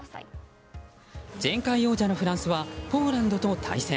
前回王者のフランスはポーランドと対戦。